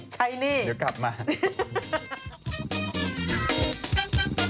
ใช้หนี้